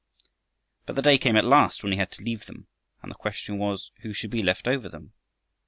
But the day came at last when he had to leave them, and the question was who should be left over them.